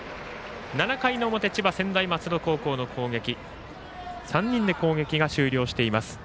７回表千葉・専大松戸高校の攻撃３人で攻撃が終了しています。